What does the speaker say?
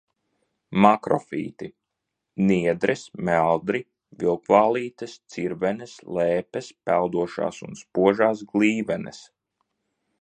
Makrofīti – niedres, meldri, vilkvālītes, cirvenes, lēpes, peldošās un spožās glīvenes.